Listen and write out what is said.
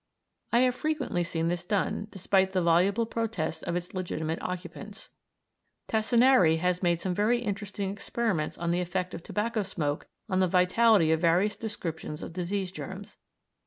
I have frequently seen this done, despite the voluble protests of its legitimate occupants. Tassinari has made some very interesting experiments on the effect of tobacco smoke on the vitality of various descriptions of disease germs.